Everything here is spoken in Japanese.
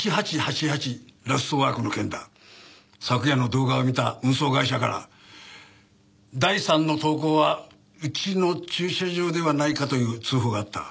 昨夜の動画を見た運送会社から第３の投稿はうちの駐車場ではないかという通報があった。